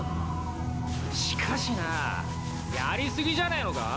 しかしなぁやり過ぎじゃねえのか？